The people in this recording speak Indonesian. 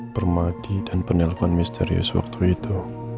permadi dan penelpon misterius waktu itu